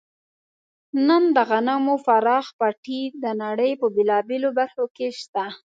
نن د غنمو پراخ پټي د نړۍ په بېلابېلو برخو کې شته.